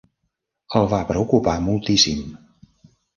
El va preocupar moltíssim.